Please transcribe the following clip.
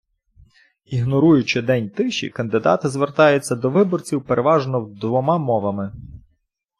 Ігноруючи день тиші, кандидати звертаються до виборців переважно двома мовами.